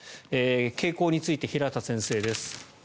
傾向について、平畑先生です。